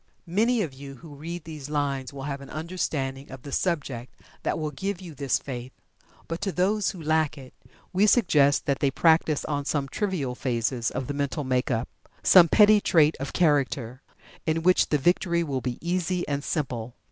Many of you who read these lines will have an understanding of the subject that will give you this faith. But to those who lack it, we suggest that they practice on some trivial phases of the mental make up, some petty trait of character, in which the victory will be easy and simple.